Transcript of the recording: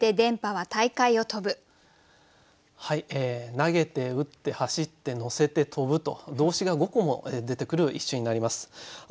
投げて打って走って乗せて飛ぶと動詞が５個も出てくる一首になります。